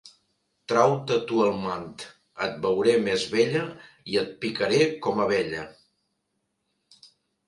Trau-te tu el mant; et veuré més bella i et picaré com abella.